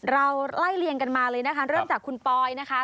เราไล่เลี่ยงกันมาเลยนะคะเริ่มจากคุณปอยนะคะ